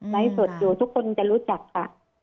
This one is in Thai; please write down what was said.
สดอยู่ทุกคนจะรู้จักค่ะ